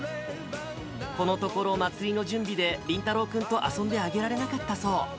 このところ、祭りの準備でりんたろうくんと遊んであげられなかったそう。